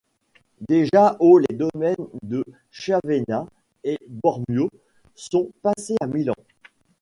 Déjà au les domaines de Chiavenna et Bormio sont passés à Milan.